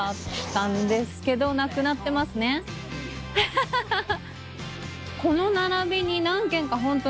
ハハハハ。